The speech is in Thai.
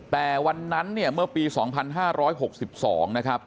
แต่วันนั้นเนี่ยเมื่อปี๒๕๖๒นะครับ